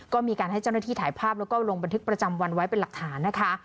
ก็มีการให้เจ้าหน้าที่ถ่ายภาพแล้วก็ลงบันทึกประจำวันไว้เป็นหลักฐานนะคะ